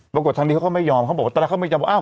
ปรากฏทางนี้เขาไม่ยอมเขาบอกว่าตลาดเขาไม่จำ